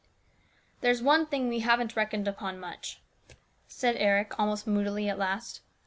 " There's one thing we haven't reckoned upon much," said Eric almost moodily at last.